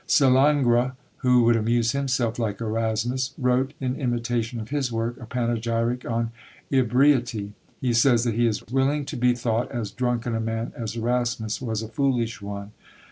Sallengre, who would amuse himself like Erasmus, wrote, in imitation of his work, a panegyric on Ebriety. He says, that he is willing to be thought as drunken a man as Erasmus was a foolish one.